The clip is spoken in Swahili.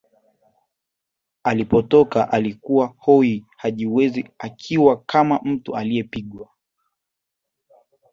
Alipotoka alikuwa hoi hajiwezi akiwa kama mtu aliyepigwa